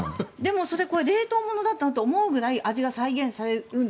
でもこれ冷凍ものだったなと思うぐらい味が再現されるので。